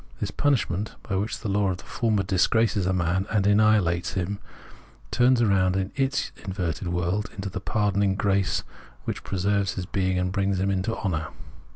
The punishment which, by the law of the former, disgraces a man and annihilates him, turns round in its inverted world into the pardon ing grace which preserves his being and brings him to honour.